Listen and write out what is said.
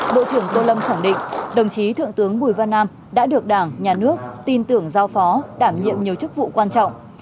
bộ trưởng tô lâm khẳng định đồng chí thượng tướng bùi văn nam đã được đảng nhà nước tin tưởng giao phó đảm nhiệm nhiều chức vụ quan trọng